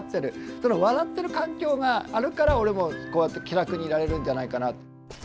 その笑ってる環境があるから俺もこうやって気楽にいられるんじゃないかな。